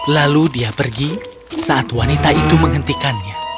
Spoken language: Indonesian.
lalu dia pergi saat wanita itu menghentikannya